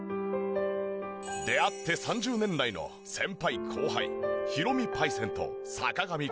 出会って３０年来の先輩後輩ヒロミパイセンと坂上くん。